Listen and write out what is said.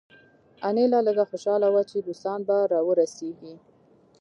انیلا لږه خوشحاله وه چې روسان به راورسیږي